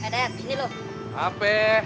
dek ini loh hp